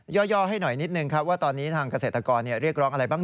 ่อให้หน่อยนิดนึงครับว่าตอนนี้ทางเกษตรกรเรียกร้องอะไรบ้าง